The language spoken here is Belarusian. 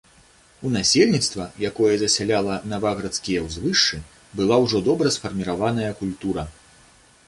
У насельніцтва, якое засяляла наваградскія ўзвышшы, была ўжо добра сфарміраваная культура.